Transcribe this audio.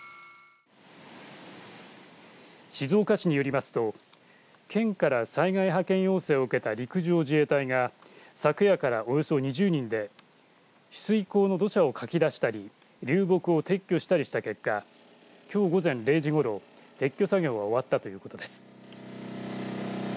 静岡市によりますと県から災害派遣要請を受けた陸上自衛隊が昨夜からおよそ２０人で取水口の土砂をかき出したり流木を撤去したりした結果きょう午前０時ごろ撤去作業が終わったということです。